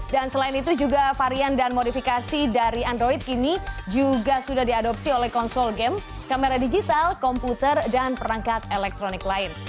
dan selain itu juga varian dan modifikasi dari android ini juga sudah diadopsi oleh konsol game kamera digital komputer dan perangkat elektronik lain